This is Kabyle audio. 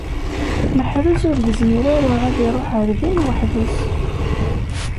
Meḥrez ur yezmir ara ad iṛuḥ ar din weḥd-s.